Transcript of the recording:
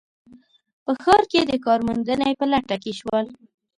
په ښار کې د کار موندنې په لټه کې شول